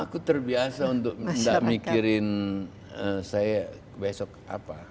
aku terbiasa untuk tidak mikirin saya besok apa